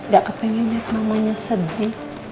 gak kepengen ya mamanya sedih